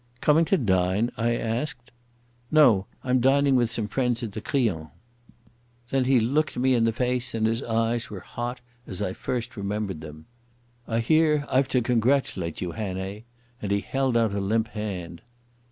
"Coming to dine?" I asked. "No. I'm dining with some friends at the Crillon." Then he looked me in the face, and his eyes were hot as I first remembered them. "I hear I've to congratulate you, Hannay," and he held out a limp hand.